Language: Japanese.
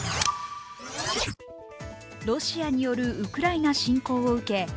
ロシアによるウクライナ侵攻を受け